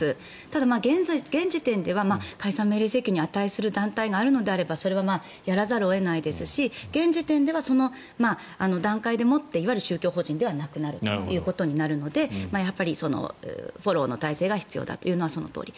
ただ、現時点では解散命令請求に値する団体があるのであればそれはやらざるを得ないですし現時点では、その段階でもっていわゆる宗教法人ではなくなるということになるのでフォローの体制が必要だというのはそのとおり。